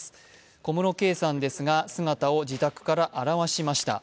小室圭さんですが姿を自宅から現しました。